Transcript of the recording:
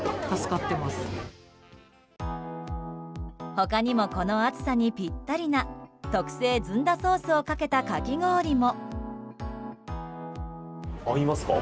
他にも、この暑さにぴったりな特製ずんだソースをかけたかき氷も。